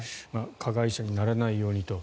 加害者にならないようにと。